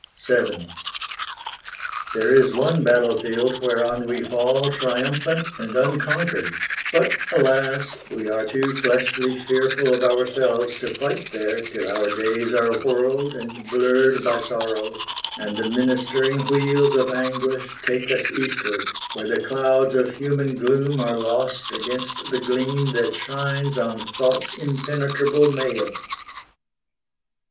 VII There is one battle field whereon we fall Triumphant and unconquered; but, alas! We are too fleshly fearful of ourselves To fight there till our days are whirled and blurred By sorrow, and the ministering wheels Of anguish take us eastward, where the clouds Of human gloom are lost against the gleam That shines on Thought's impenetrable mail.